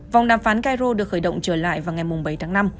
vòng đàm phán cairu được khởi động trở lại vào ngày bảy tháng năm